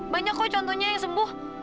banyak kok contohnya yang sembuh